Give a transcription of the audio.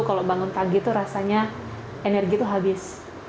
kalau bangun pagi itu rasanya energi itu habis